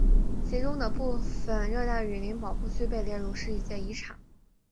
其中的部分热带雨林保护区被列入世界遗产。